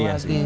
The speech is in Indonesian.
betul sih iya